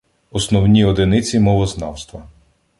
Основні одиниці мовознавства